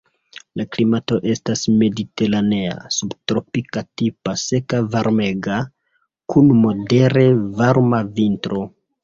La klimato estas mediteranea, subtropik-tipa, seka, varmega, kun modere varma vintro.